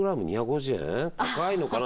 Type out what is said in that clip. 「高いのかな？」